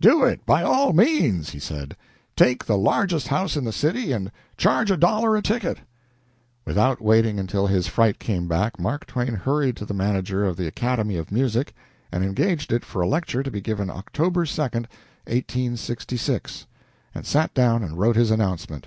"Do it, by all means," he said. "Take the largest house in the city, and charge a dollar a ticket." Without waiting until his fright came back, Mark Twain hurried to the manager of the Academy of Music, and engaged it for a lecture to be given October 2d (1866), and sat down and wrote his announcement.